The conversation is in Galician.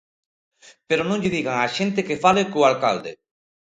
Pero non lle digan á xente que fale co alcalde.